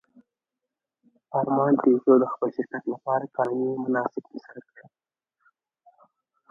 ارمان پيژو د خپل شرکت لپاره قانوني مناسک ترسره کړل.